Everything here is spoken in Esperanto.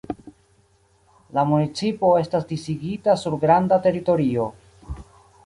La municipo estas disigita sur granda teritorio.